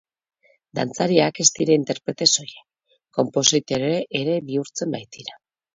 Dantzariak ez dira interprete soilak, konpositore ere bihurtzen baitira.